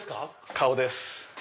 顔です